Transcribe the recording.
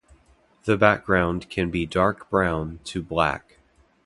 The background can be dark brown to black.